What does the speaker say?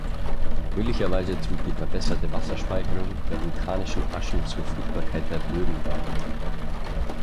Möglicherweise trug die verbesserte Wasserspeicherung der vulkanischen Aschen zur Fruchtbarkeit der Böden bei.